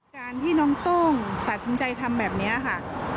การที่น้องโต้งตัดสินใจทำแบบนี้ค่ะ